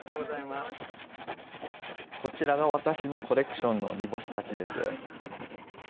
こちらが私のコレクションの煮干したちです。